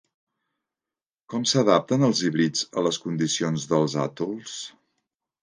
Com s'adapten els híbrids a les condicions dels atols?